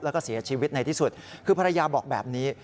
แล้วก็เสียชีวิตในที่สุดคือภรรยาบอกแบบนี้